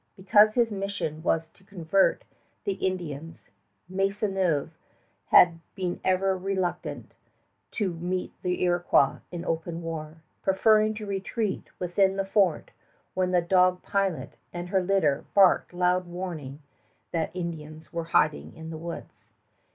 Because his mission was to convert the Indians, Maisonneuve had been ever reluctant to meet the Iroquois in open war, preferring to retreat within the fort when the dog Pilot and her litter barked loud warning that Indians were hiding in the woods.